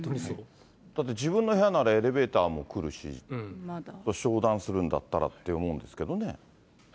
だって自分の部屋ならエレベーターも来るし、商談するんだったらと思うんですけどね。